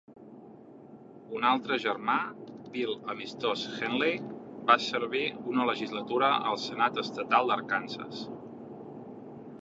Un altre germà, Bill "Amistós" Henley, va servir una legislatura al Senat Estatal d'Arkansas.